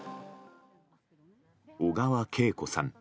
小川けい子さん。